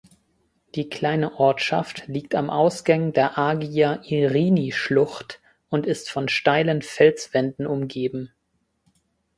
Die kleine Ortschaft liegt am Ausgang der Agia-Irini-Schlucht und ist von steilen Felswänden umgeben.